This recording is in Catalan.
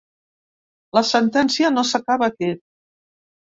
La sentència no s’acaba aquí.